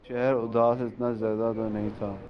یہ شہر اداس اتنا زیادہ تو نہیں تھا